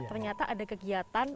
ternyata ada kegiatan